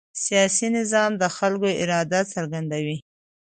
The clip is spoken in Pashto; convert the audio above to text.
سیاسي نظام د خلکو اراده څرګندوي